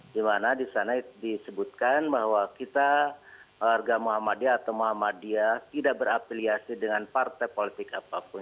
dimana di sana disebutkan bahwa kita warga muhammadiyah atau muhammadiyah tidak berafiliasi dengan partai politik apapun